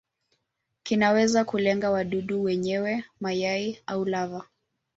Kinaweza kulenga wadudu wenyewe, mayai au lava.